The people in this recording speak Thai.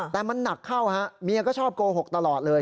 แต่มันหนักเข้าฮะเมียก็ชอบโกหกตลอดเลย